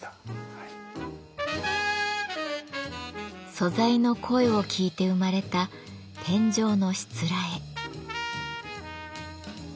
素材の声を聞いて生まれた天井のしつらえ。